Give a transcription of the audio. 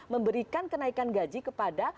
memberikan kenaikan gaji kepada